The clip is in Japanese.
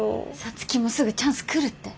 皐月もすぐチャンス来るって。